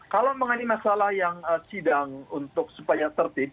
kalau mengenai masalah yang sidang untuk supaya tertib